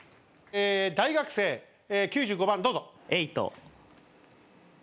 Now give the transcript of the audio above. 大学生９５番どうぞ。